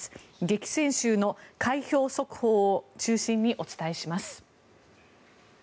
激戦州の開票速報を中心にお伝えします。